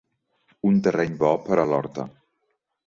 Un terreny bo per a l'horta.